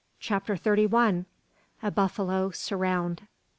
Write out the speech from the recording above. CHAPTER THIRTY ONE. A BUFFALO "SURROUND."